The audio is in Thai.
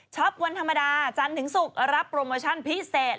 วันธรรมดาจันทร์ถึงศุกร์รับโปรโมชั่นพิเศษ